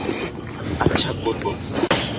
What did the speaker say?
আচ্ছা, করব।